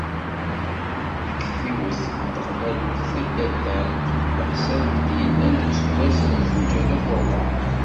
Deg tiwet n teɣbalut taddadant n leḥsab i d-yellan deg useggas n zuǧ alaf u rebεa.